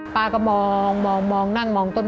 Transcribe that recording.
ป้าก็มองมองมองนั่งมองต้นไม้